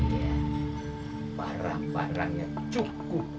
ya barang barangnya cukup